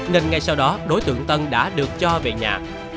nên ngay sau đó đối tượng tân đã được cho về nhà